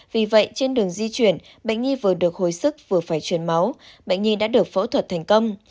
vì vậy trên đường di chuyển bệnh nhi vừa được hồi sức vừa phải chuyển máu bệnh nhi đã được phẫu thuật thành công